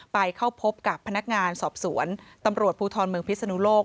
ไปเข้าพบกับพนักงานสอบสวนตำรวจภูทรเมืองพิศนุโลก